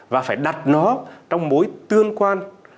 và phải đặt nó trong mối tương quan